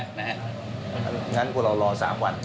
เพราะฉะนั้นพวกเรารอ๓วัน